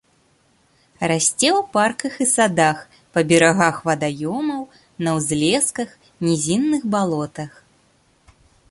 Расце ў парках і садах, па берагах вадаёмаў, на ўзлесках, нізінных балотах.